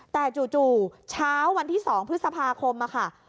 แต่จู่เช้าวันที่๒พฤษภาคมค่ะ